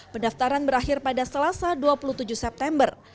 pendaftaran berakhir pada selasa dua puluh tujuh september